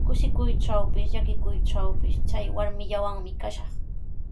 Kushikuytrawpis, llakikuytrawpis chay warmillawanmi kashaq.